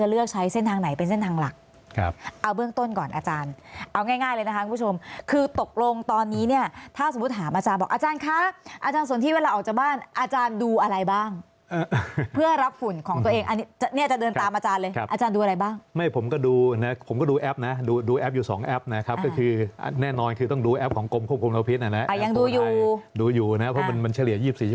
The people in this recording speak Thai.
เอาเรื่องต้นก่อนอาจารย์เอาง่ายเลยนะครับคุณผู้ชมคือตกลงตอนนี้เนี่ยถ้าสมมุติถามอาจารย์บอกอาจารย์คะอาจารย์สนที่เวลาออกจากบ้านอาจารย์ดูอะไรบ้างเพื่อรับฝุ่นของตัวเองอันนี้จะเดินตามอาจารย์เลยอาจารย์ดูอะไรบ้างไม่ผมก็ดูนะผมก็ดูแอปนะดูแอปอยู่๒แอปนะครับก็คือแน่นอนคือต้องดูแอปของกรมควบคุมล